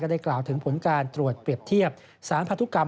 ได้กล่าวถึงผลการตรวจเปรียบเทียบสารพันธุกรรม